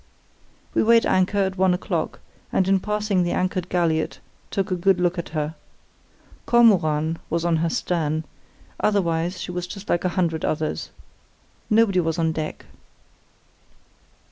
"We weighed anchor at one o'clock, and in passing the anchored galliot took a good look at her. Kormoran was on her stern; otherwise she was just like a hundred others. Nobody was on deck.